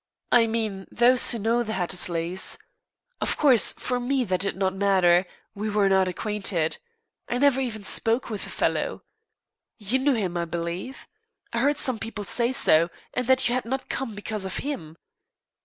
I mean those who know the Hattersleys. Of course, for me that did not matter, we were not acquainted. I never even spoke with the fellow. You knew him, I believe? I heard some people say so, and that you had not come because of him.